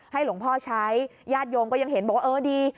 หลวงพ่อใช้ญาติโยมก็ยังเห็นบอกว่าเออดี